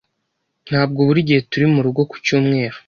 Ntabwo buri gihe turi murugo ku cyumweru.